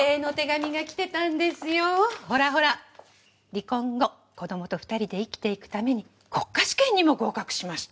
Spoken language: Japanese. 「離婚後子供と二人で生きていくために国家試験にも合格しました」